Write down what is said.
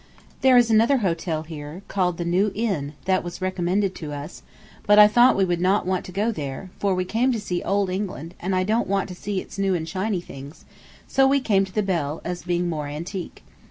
There is another hotel here, called the New Inn, that was recommended to us, but I thought we would not want to go there, for we came to see old England, and I don't want to see its new and shiny things, so we came to the Bell, as being more antique.